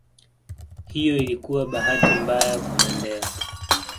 Hiyo ilikuwa bahati mbaya kwa Mandela